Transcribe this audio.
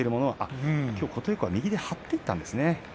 琴恵光右で張っていったんですね。